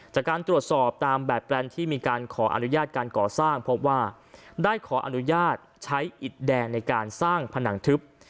จากการตรวจสอบตามแบบแปลนที่มีการขออนุญาตการก่อสร้างพบว่าได้ขออนุญาตใช้อิดแดนในการสร้างผนังทึบ